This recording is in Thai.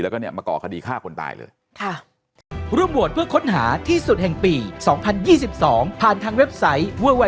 แล้วก็มาก่อคดีฆ่าคนตายเลย